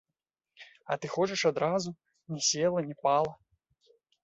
А ты хочаш адразу, ні села, ні пала.